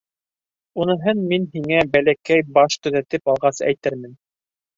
Уныһын мин һиңә бәләкәй баш төҙәтеп алғас әйтермен.